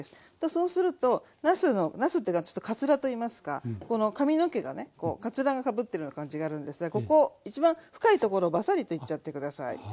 そうするとなすのなすっていうかちょっとカツラといいますかこの髪の毛がねこうカツラがかぶってるような感じがあるんですがここ一番深いところバサリといっちゃって下さい。